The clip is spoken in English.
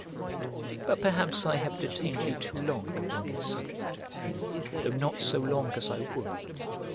But perhaps I have detained you too long upon this subject, though not so long as I would.